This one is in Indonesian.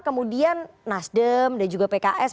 kemudian nasdem dan juga pks